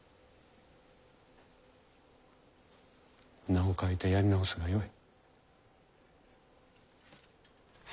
名を変えてやり直すがよい。